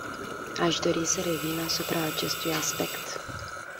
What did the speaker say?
Aș dori să revin asupra acestui aspect.